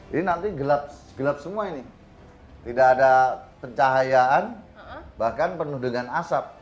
ini nanti gelap gelap semua ini tidak ada pencahayaan bahkan penuh dengan asap